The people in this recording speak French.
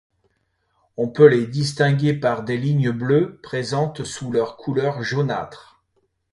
On peut les distinguer par des lignes bleues présentes sous leur couleur jaunâtre.